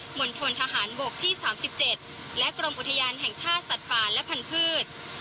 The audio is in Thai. หม่นทวนทหารบกที่สามสิบเจ็ดและกรมอุทยานแห่งชาติสัตว์ป่าและพันธ์พืช